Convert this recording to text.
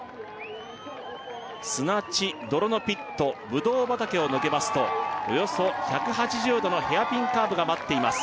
砂地泥のピットぶどう畑を抜けますとおよそ１８０度のヘアピンカーブが待っています